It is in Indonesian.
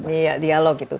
iya dialog itu